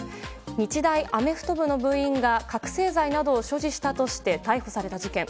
日大アメフト部の部員が覚醒剤などを所持したとして逮捕された事件。